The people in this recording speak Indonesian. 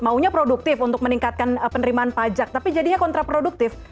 maunya produktif untuk meningkatkan penerimaan pajak tapi jadinya kontraproduktif